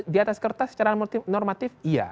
di atas kertas secara normatif iya